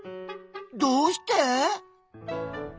どうして？